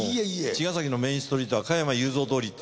茅ヶ崎のメインストリートは加山雄三通りって。